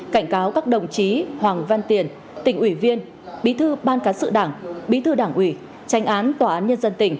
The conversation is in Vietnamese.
cảnh cáo các đồng chí hoàng văn tiền tỉnh ủy viên bí thư ban cán sự đảng bí thư đảng ủy tranh án tòa án nhân dân tỉnh